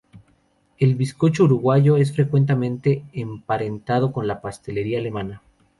El bizcocho uruguayo es frecuentemente emparentado con la pastelería alemana.